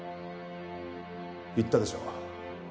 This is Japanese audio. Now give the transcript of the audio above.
言ったでしょう。